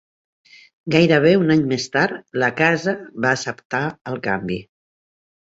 Gairebé un any més tard la Casa va acceptar el canvi.